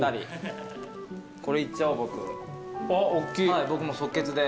はい僕即決で。